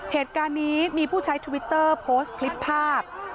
เหตุการณ์นี้มีผู้ใช้ทวิตเตอร์โพสต์คลิปภาพ